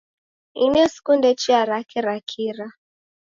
Ini sikunde chia rake ra kira.